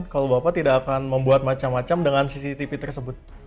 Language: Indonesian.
kalau bapak tidak akan membuat macam macam dengan cctv tersebut